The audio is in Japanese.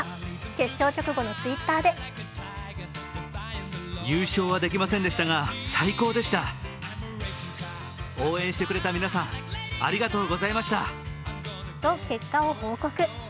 決勝直後のＴｗｉｔｔｅｒでと結果を報告。